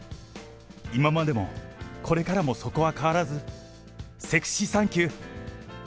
今までも、これからもそこは変わらず、セクシーサンキュー。